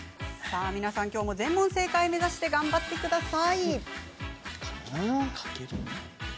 きょうも全問正解目指して頑張ってください。